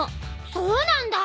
そうなんだ！